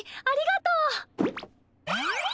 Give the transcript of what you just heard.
ありがとう！